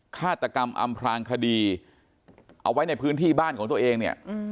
ฆาตกรรมอำพลางคดีเอาไว้ในพื้นที่บ้านของตัวเองเนี่ย